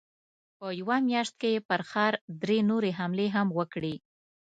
په يوه مياشت کې يې پر ښار درې نورې حملې هم وکړې.